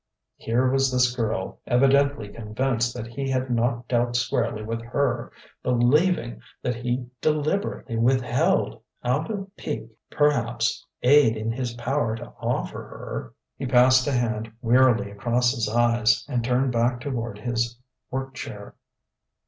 Here was this girl, evidently convinced that he had not dealt squarely with her, believing that he deliberately withheld out of pique, perhaps aid in his power to offer her.... He passed a hand wearily across his eyes, and turned back toward his work chair.